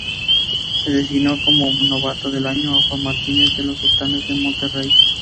Se designó como novato del año a Juan Martínez de los Sultanes de Monterrey.